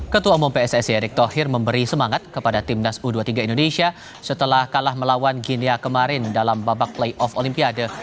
ketua umum pssi erick thohir memberi semangat kepada timnas u dua puluh tiga indonesia setelah kalah melawan ginia kemarin dalam babak playoff olimpiade